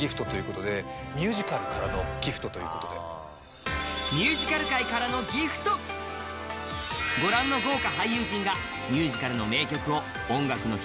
様々なギフトということでご覧の豪華俳優陣がミュージカルの名曲を「音楽の日」